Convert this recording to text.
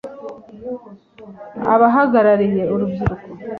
abahagarariye urubyiruko